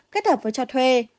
kết hợp với cho thuê